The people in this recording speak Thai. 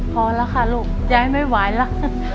พอแล้วค่ะลูกยายไม่ไหวแล้ว